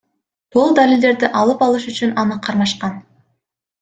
Бул далилдерди алып алыш үчүн аны кармашкан.